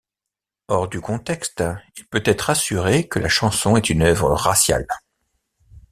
Hors du contexte, il peut être assuré que la chanson est une œuvre raciale.